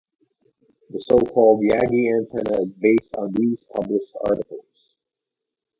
The so-called Yagi antenna is based on these published articles.